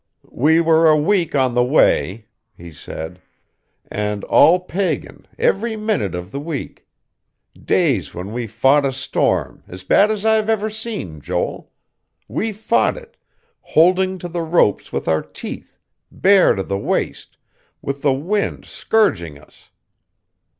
"We were a week on the way," he said. "And all pagan, every minute of the week. Days when we fought a storm as bad as I've ever seen, Joel. We fought it, holding to the ropes with our teeth, bare to the waist, with the wind scourging us.